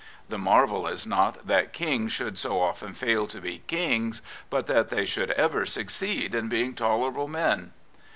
The marvel is not that Kings should so often fail to be Kings, but that they should ever succeed in being tolerable men.